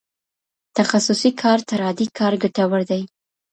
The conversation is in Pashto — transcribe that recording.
تخصصي کار تر عادي کار ګټور دی.